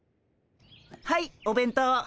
はいお弁当。